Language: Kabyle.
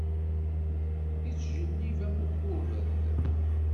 Ittjellib am ukured.